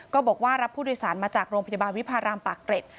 ก็บอกว่ารับผู้โดยสารมาจากโรงพยาบาลวิพารามปากเกร็ด